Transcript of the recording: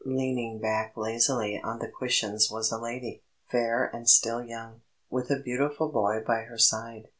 Leaning back lazily on the cushions was a lady, fair and still young, with a beautiful boy by her side.